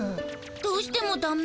どうしてもダメ？